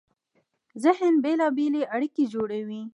ذهن بېلابېلې اړیکې جوړوي.